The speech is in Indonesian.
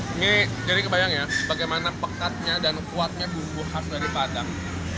ini jadi kebayang ya bagaimana pekatnya dan kuatnya bumbu khas dari padang